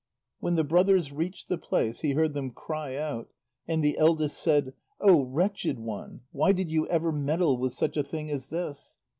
When the brothers reached the place, he heard them cry out, and the eldest said: "O wretched one! Why did you ever meddle with such a thing as this!"